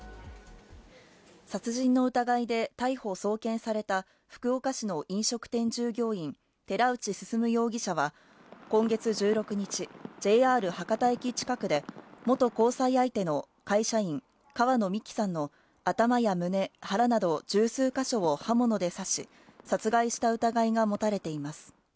殺人の疑いで逮捕・送検された、福岡市の飲食店従業員、寺内進容疑者は今月１６日、ＪＲ博多駅近くで、元交際相手の会社員、川野美樹さんの頭や胸、腹など十数か所を刃物で刺し、殺害した疑いが持たれています。